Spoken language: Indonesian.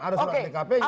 ada surat dkp nya